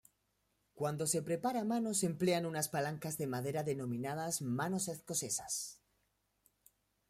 Cuando se prepara a mano se emplean unas palancas de madera denominadas manos escocesas.